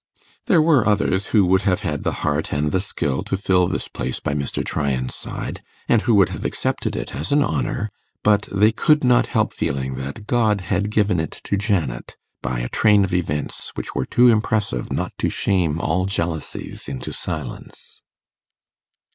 There were others who would have had the heart and the skill to fill this place by Mr. Tryan's side, and who would have accepted it as an honour; but they could not help feeling that God had given it to Janet by a train of events which were too impressive not to shame all jealousies into silence.